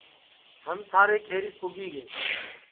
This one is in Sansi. ہم سارے کھیریس پُگی گے